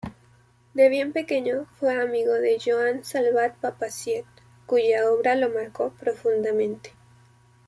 De bien pequeño fue amigo de Joan Salvat-Papasseit, cuya obra lo marcó profundamente.